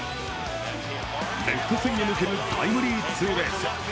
レフト線へ抜けるタイムリーツーベース。